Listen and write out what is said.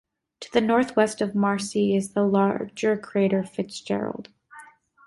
To the northwest of Marci is the larger crater Fitzgerald.